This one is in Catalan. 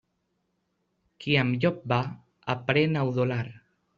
Qui amb llop va, aprén a udolar.